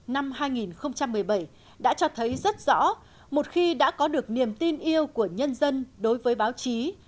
năm hai nghìn một mươi bảy đã cho thấy rất rõ một khi đã có được niềm tin yêu của nhân dân đối với báo chí